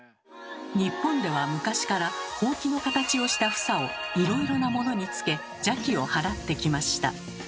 日本では昔からほうきの形をした房をいろいろなものにつけ邪気を払ってきました。